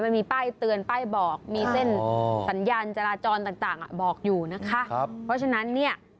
มันมีป้ายเตือนป้ายบอกมีเส้นสัญญาณจราจรต่างต่างอ่ะบอกอยู่นะคะครับเพราะฉะนั้นเนี่ย